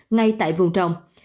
ngay tại vùng trồng